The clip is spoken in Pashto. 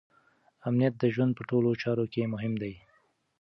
امنیت د ژوند په ټولو چارو کې مهم دی.